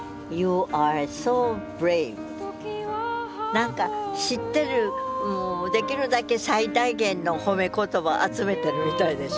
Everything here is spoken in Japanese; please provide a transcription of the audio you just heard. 何か知ってるもうできるだけ最大限の褒め言葉集めてるみたいでしょ。